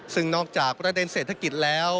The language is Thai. ซึ่งนอกจากประเด็นเศรษฐกิจแล้ว